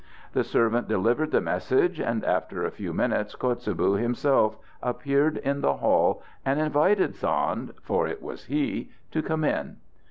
The servant delivered the message, and after a few minutes Kotzebue himself appeared in the hall and invited Sand—for it was he—to come in.